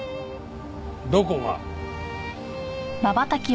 どこが？